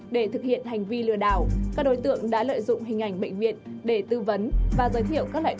để thực hiện hành vi lừa đảo các đối tượng đã lợi dụng hình ảnh bệnh viện để tư vấn và giới thiệu các loại